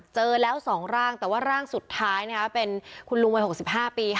เจอแล้ว๒ร่างแต่ว่าร่างสุดท้ายเป็นคุณลุงวัย๖๕ปี